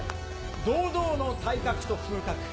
堂々の体格と風格。